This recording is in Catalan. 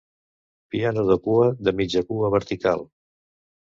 Piano de cua, de mitja cua, vertical.